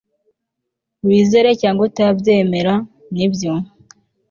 wizere cyangwa utabyemera, nibyo